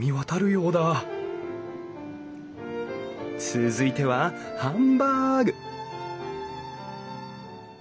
続いてはハンバーグ！